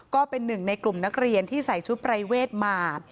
ก็เป็นหนึ่งในกลุ่มนักเรียนที่ใส่ชุดปรายเวทมา